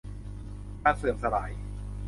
การเสื่อมสลาย